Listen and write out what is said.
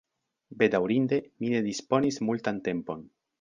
Bedaŭrinde, mi ne disponis multan tempon.